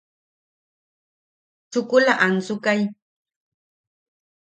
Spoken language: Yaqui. Chukula ansukai.